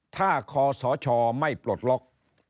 ถ้าคอสชไม่ปลดล็อก